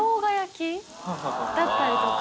だったりとか。